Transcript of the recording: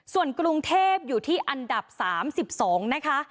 ส่วนกรุงเทพอยู่ที่อันดับ๓๒นะคะ